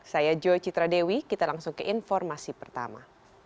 saya joy citradewi kita langsung ke informasi pertama